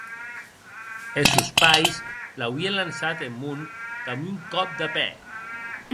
Es sòns pairs l’auien lançat en mon damb un còp de pè.